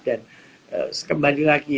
dan kembali lagi